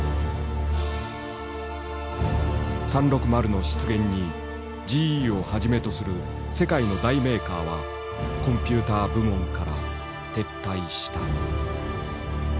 「３６０」の出現にＧＥをはじめとする世界の大メーカーはコンピューター部門から撤退した。